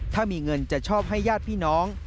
ถ้ามีเงินจะชอบให้ญาติพี่น้อง